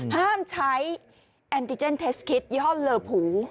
ห้ามใช้แอนติเจนเทสคิดยี่ห้อเลอผู